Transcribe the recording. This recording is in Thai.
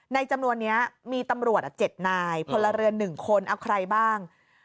จำนวนนี้มีตำรวจ๗นายพลเรือน๑คนเอาใครบ้าง